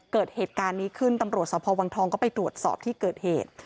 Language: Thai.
เกิดเหตุการณ์นี้ขึ้นตำรวจสภวังทองก็ไปตรวจสอบที่เกิดเหตุ